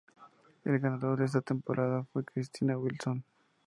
El ganador de esta temporada fue Christina Wilson.